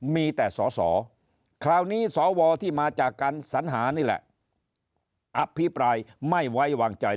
มีแต่สอสอคราวนี้สวที่มาจากการสัญหานี่แหละอภิปรายไม่ไว้วางใจ